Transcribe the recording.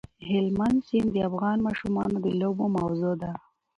هلمند سیند د افغان ماشومانو د لوبو موضوع ده.